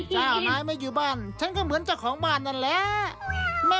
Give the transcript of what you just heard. เจ้านายไม่อยู่บ้านฉันก็เหมือนเจ้าของบ้านนั่นแหละ